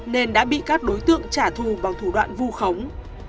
nên đã bị các đối tượng trả thù bằng thủ đoạn vu khống